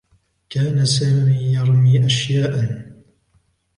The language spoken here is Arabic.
كان سامي يرمي أشياءا.